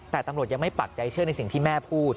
แต่ตำรวจยังไม่ปักใจเชื่อในสิ่งที่แม่พูด